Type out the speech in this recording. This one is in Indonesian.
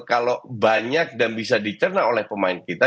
kalau banyak dan bisa dicerna oleh pemain kita